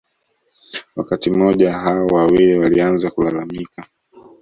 Wakati mmoja hao wawili walianza kulalamika